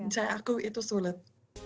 saya aku itu sulit